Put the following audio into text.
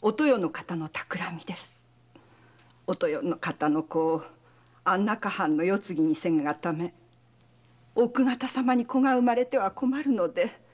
お豊の方の子を安中藩の世継ぎにせんがため奥方様に子が生まれては困るので亡き者にしようと。